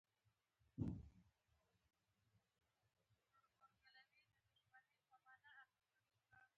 زموږ د ډیلي او اصفهان د فتحو لاپې بیه نه لري.